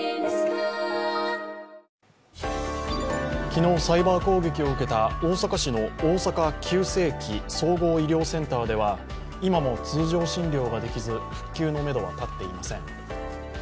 昨日、サイバー攻撃を受けた大阪市の大阪急性期・総合医療センターでは今も通常診療ができず復旧のめどは立っていません。